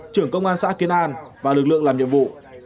trưởng công an xã kiến an và lực lượng làm nhiệm vụ